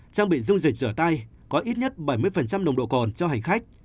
trang bị dung dịch rửa tay có ít nhất bảy mươi nồng độ cồn cho hành khách